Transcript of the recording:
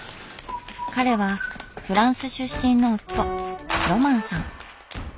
彼はフランス出身の夫ロマンさん。